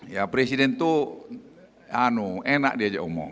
ya presiden itu enak diajak omong